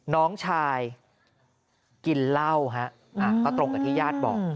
น้องชายกินเหล้าฮะก็ตรงกับที่ญาติบอก